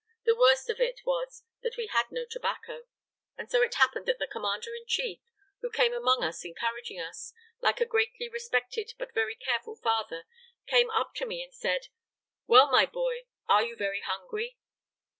The worst of it was that we had no tobacco. And so it happened that the commander in chief, who came among us encouraging us, like a greatly respected but very careful father, came up to me and said: 'Well, my boy, are you very hungry?'